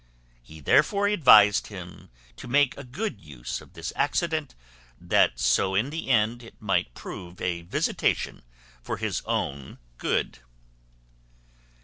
He therefore advised him to make a good use of this accident, that so in the end it might prove a visitation for his own good."